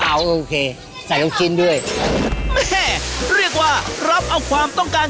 เอาโอเคใส่ลูกชิ้นด้วยแม่เรียกว่ารับเอาความต้องการ